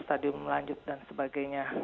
stadium lanjut dan sebagainya